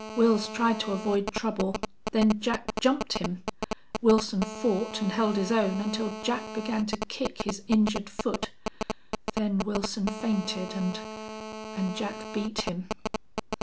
Wils tried to avoid trouble. Then Jack jumped him. Wilson fought and held his own until Jack began to kick his injured foot. Then Wilson fainted and and Jack beat him."